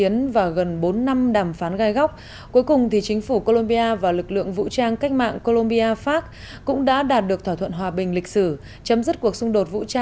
năm hai nghìn một mươi hai chính phủ colombia và facs bắt đầu đàm phán hòa bình ở havana